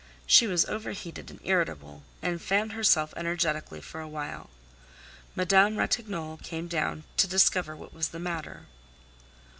She was overheated and irritable, and fanned herself energetically for a while. Madame Ratignolle came down to discover what was the matter.